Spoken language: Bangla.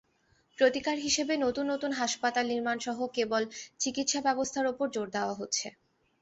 প্রতিকার হিসেবে নতুন নতুন হাসপাতাল নির্মাণসহ কেবল চিকিৎসাব্যবস্থার ওপর জোর দেওয়া হচ্ছে।